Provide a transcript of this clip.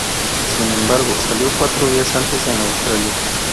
Sin embargo, salió cuatro días antes en Australia.